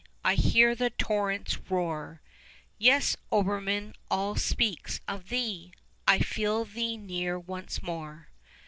I hear the torrents roar. 10 Yes, Obermann, all speaks of thee! I feel thee near once more.